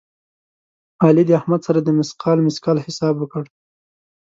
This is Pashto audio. علي د احمد سره د مثقال مثقال حساب وکړ.